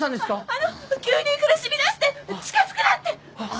ああの急に苦しみだして近づくなって！